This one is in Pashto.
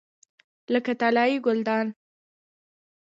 لکه طلایي ګلدان.